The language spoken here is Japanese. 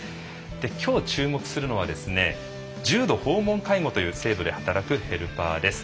今日、注目するのは重度訪問介護という制度で働くヘルパーです。